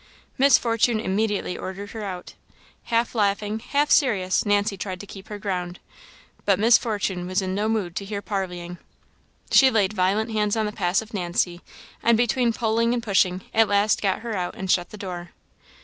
Miss Fortune immediately ordered her out. Half laughing, half serious, Nancy tried to keep her ground, but Miss Fortune was in no mood to hear parleying. She laid violent hands on the passive Nancy, and between pulling and pushing, at last got her out and shut the door.